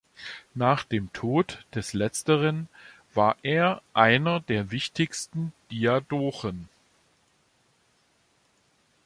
Nach dem Tod des Letzteren war er einer der wichtigsten Diadochen.